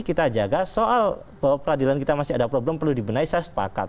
kita jaga soal bahwa peradilan kita masih ada problem perlu dibenahi saya sepakat